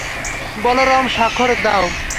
বলরাম, স্বাক্ষর দাও।